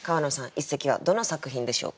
一席はどの作品でしょうか？